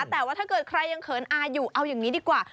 แต่ว่าถ้าเกิดใครยังเขินอาอยู่เอาอย่างนี้ดีกว่า